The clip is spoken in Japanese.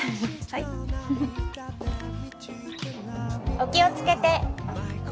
お気をつけて。